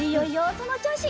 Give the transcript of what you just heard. そのちょうし。